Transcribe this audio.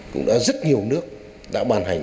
cũng đã rất nhiều nước đã ban hành